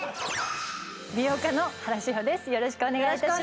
美容家の原志保です